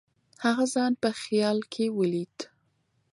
هغه ځان په خیال کې ولید.